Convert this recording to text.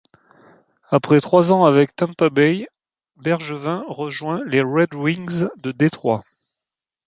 Après trois ans avec Tampa Bay, Bergevin rejoint les Red Wings de Détroit.